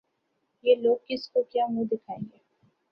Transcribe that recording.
یہ لوگ کسی کو کیا منہ دکھائیں گے؟